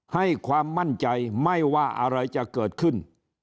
ให้ความมั่นใจไม่ว่าอะไรจะเกิดขึ้น